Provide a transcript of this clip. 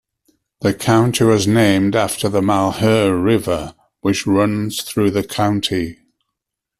The county was named after the Malheur River, which runs through the county.